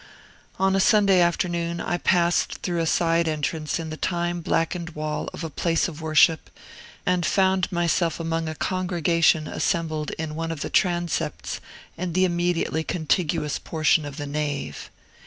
On a Sunday afternoon, I passed through a side entrance in the time blackened wall of a place of worship, and found myself among a congregation assembled in one of the transepts and the immediately contiguous portion of the nave.